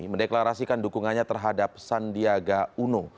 mendeklarasikan dukungannya terhadap sandiaga uno